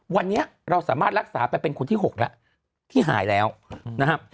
วันนี้เราสามารถรักษาไปเป็นคนที่๖แล้วที่หายแล้วนะครับ